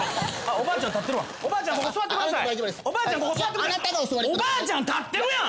おばあちゃんが立ってるやん！